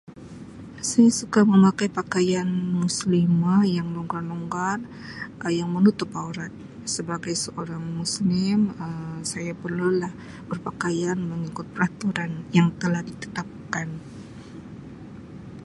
Saya suka memakai pakaian muslimah yang longgar-longgar Um yang menutup aurat sebagai seorang muslim Um saya perlu lah berpakaian mengikut peraturan yang telah ditetapkan.